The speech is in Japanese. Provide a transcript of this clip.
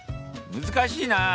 難しいなあ。